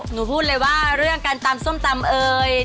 พูดเลยว่าเรื่องการตำส้มตำเอ่ย